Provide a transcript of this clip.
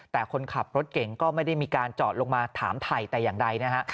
แต่คนขับรถเก่งก็ไม่ได้มีการจอดลงมาถามถ่ายแต่อย่างใดนะฮะ